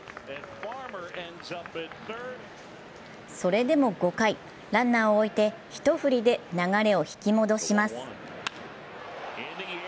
それでも５回、ランナーを置いて、１振りで流れを引き戻します。